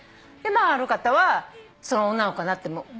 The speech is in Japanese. まあある方はその女の子がなっても。